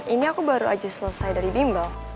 ini aku baru aja selesai dari bimba